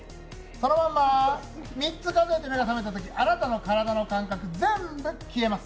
そのまま３つ数えて目が覚めたときあなたの体の感覚、全部消えます。